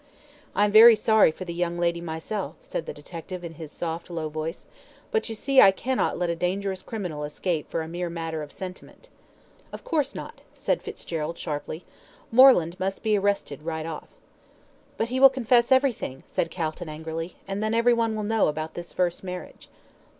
"I'm very sorry for the young lady myself," said the detective in his soft, low voice; "but you see I cannot let a dangerous criminal escape for a mere matter of sentiment." "Of course not," said Fitzgerald, sharply. "Moreland must be arrested right off." "But he will confess everything," said Calton, angrily, "and then everyone will know about this first marriage."